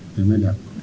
để mới đạt